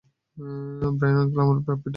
Brian uncle আমাকে পাপ্পিটা দিয়েছে।